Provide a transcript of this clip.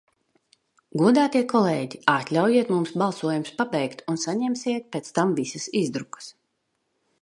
Godātie kolēģi, atļaujiet mums balsojumus pabeigt un saņemsiet pēc tam visas izdrukas.